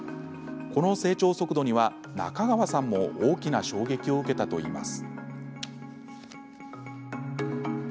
この成長速度には、中川さんも大きな衝撃を受けたといいます。